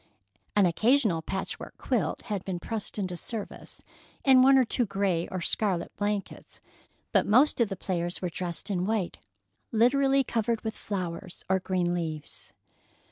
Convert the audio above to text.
An occasional patchwork quilt had been pressed into service, and one or two gray or scarlet blankets, but most of the players were dressed in white literally covered with flowers or green leaves.